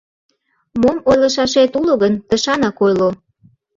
Мом ойлышашет уло гын, тышанак ойло...